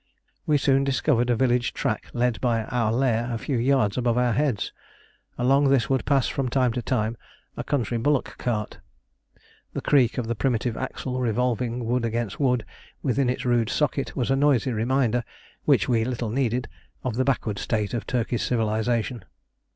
We soon discovered a village track led by our lair a few yards above our heads. Along this would pass from time to time a country bullock cart. The creak of the primitive axle revolving wood against wood within its rude socket was a noisy reminder, which we little needed, of the backward state of Turkey's civilisation.